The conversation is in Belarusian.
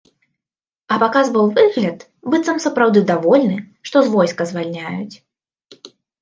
А паказваў выгляд, быццам сапраўды давольны, што з войска звальняюць.